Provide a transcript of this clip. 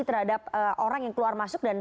terhadap orang yang keluar masuk dan